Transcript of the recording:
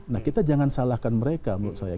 nah kita jangan salahkan mereka menurut saya